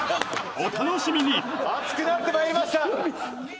お楽しみに熱くなってまいりました！